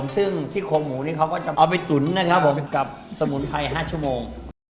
ซึ่งสีทรงหมูนี่เขาจะเอาไปตุ๋นกับสมุนไพร๕ชั่วโมง